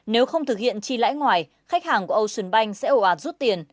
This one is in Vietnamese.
nếu không thực hiện chi lãi ngoài khách hàng của ocean bank sẽ ồ ạt rút tiền